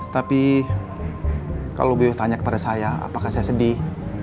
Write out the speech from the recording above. tapi kalau beliau tanya kepada saya apakah saya sedih